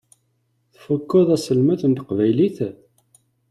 Tfukkeḍ aselmed n teqbaylit?